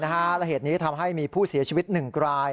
และเหตุนี้ทำให้มีผู้เสียชีวิต๑ราย